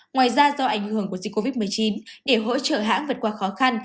ngoài ra do ảnh hưởng của dịch covid một mươi chín để hỗ trợ hãng vượt qua khó khăn